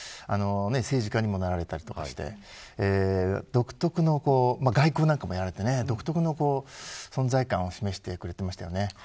政治家にもなられたりとかして外交なんかもやられたりして独特の存在感を示してくれてましたよね。